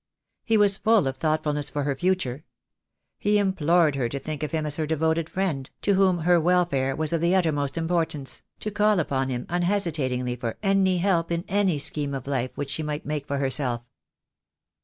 He was full of thoughtfulness for her future. He implored her to think of him as her devoted friend, to whom her welfare was 2 20 THE DAY WILL COME. of the uttermost importance, to call upon him unhesitat ingly for any help in any scheme of life which she might make for herself.